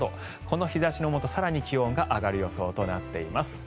この日差しのもと更に気温が上がる予想となっています。